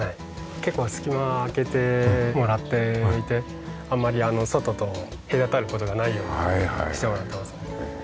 結構隙間空けてもらっていてあまり外と隔たる事がないようにしてもらってます。